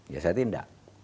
ya saya tidak